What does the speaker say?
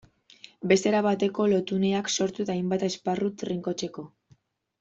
Beste erabateko lotuneak sortu eta hainbat esparru trinkotzeko.